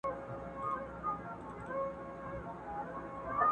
زما او د پښتونخوا د سترګو تور منظور !.